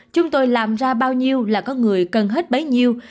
chúng tôi làm ra bao nhiêu là có người cần hết bấy nhiêu